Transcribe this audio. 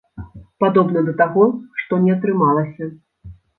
Падобна да таго, што не атрымалася.